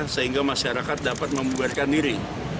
sehingga masyarakat dapat membuarkan diri